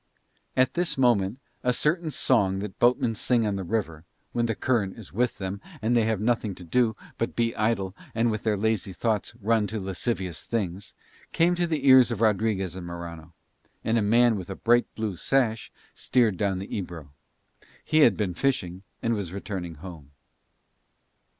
At this moment a certain song that boatmen sing on that river, when the current is with them and they have nothing to do but be idle and their lazy thoughts run to lascivious things, came to the ears of Rodriguez and Morano; and a man with a bright blue sash steered down the Ebro. He had been fishing and was returning home.